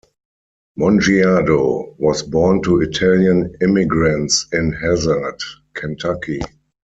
Mongiardo was born to Italian immigrants in Hazard, Kentucky.